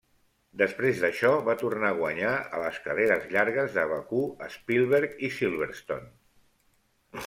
Després d'això, va tornar a guanyar a les carreres llargues de Bakú, Spielberg i Silverstone.